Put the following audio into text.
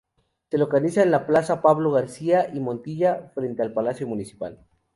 Se localiza en la Plaza Pablo Garcia y Montilla, frente al Palacio Municipal.